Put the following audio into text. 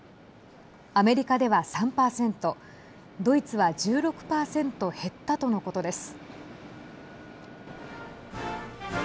アメリカでは３％ドイツは１６％減ったとのことです。